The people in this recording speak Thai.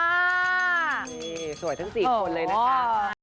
เฮ้สวยทั้งสี่คนเลยนะคะ